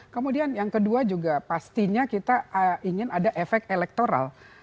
kemudian yang kedua juga pastinya kita ingin ada efek elektoral